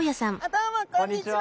どうもこんにちは！